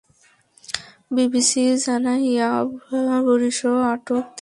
BGB জানায়, ইয়াবা বড়িসহ আটক তিনজনকে থানা-পুলিশের কাছে হস্তান্তর করা হয়েছে।